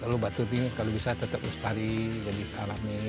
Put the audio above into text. kalau batu tinggi kalau bisa tetap selalu jadi alami